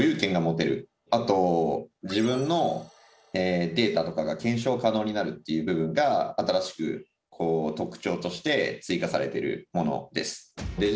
あと自分のデータとかが検証可能になるっていう部分が新しく特徴として追加されてるものです。